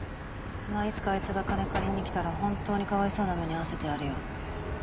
まあいつかあいつが金借りに来たら本当にかわいそうな目に遭わせてやるよ。